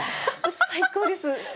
最高です！